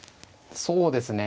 そうですね。